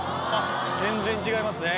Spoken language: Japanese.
全然違いますね。